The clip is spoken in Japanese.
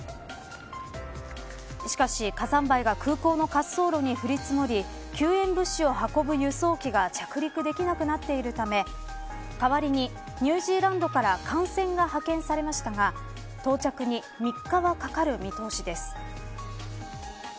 しかし、火山灰が空港の滑走路に降り積もり救援物資を運ぶ輸送機が着陸できなくなっているため代わりに、ニュージーランドから艦船が派遣されましたが到着に３日はかかる見通しです。